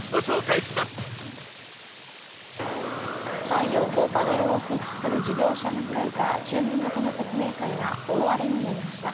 太陽光パネルを設置する事業者が開いた住民向けの説明会が大荒れになりました。